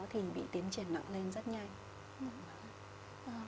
thì bị tiến triển nặng lên rất nhanh